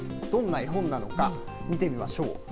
どんな絵本なのか、見てみましょう。